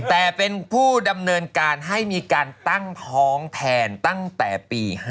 แต่เป็นผู้ดำเนินการให้มีการตั้งท้องแทนตั้งแต่ปี๕๗